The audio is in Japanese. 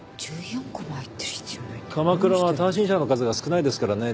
・鎌倉は単身者の数が少ないですからね